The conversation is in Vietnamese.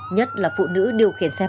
nhất là phụ nữ điều khiển xe mô tô